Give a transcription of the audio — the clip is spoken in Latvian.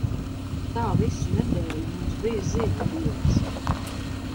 Tā visu nedēļu mums bija zivju dienas.